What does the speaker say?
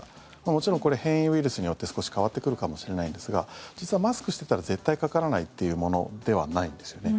もちろん、これ変異ウイルスによって少し変わってくるかもしれないんですが実は、マスクしてたら絶対かからないというものではないんですよね。